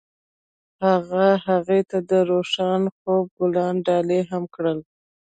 هغه هغې ته د روښانه خوب ګلان ډالۍ هم کړل.